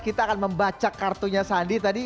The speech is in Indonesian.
kita akan membaca kartunya sandi tadi